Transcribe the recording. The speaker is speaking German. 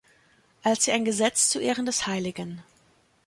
Als sie ein Gesetz zu Ehren des hl.